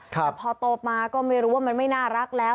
แต่พอโตมาก็ไม่รู้ว่ามันไม่น่ารักแล้ว